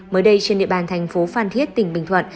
mới đây trên địa bàn thành phố phan thiết tỉnh bình thuận